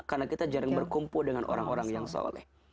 karena kita jarang berkumpul dengan orang orang yang sholat